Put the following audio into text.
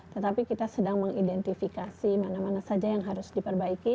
tetapi kita sedang mengidentifikasi mana mana saja yang harus diperbaiki